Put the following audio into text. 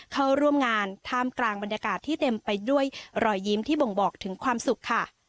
เข้าร่วมงานท่ามกลางบรรยากาศที่เต็มไปด้วยรอยยิ้มที่บ่งบอกถึงความสุขค่ะ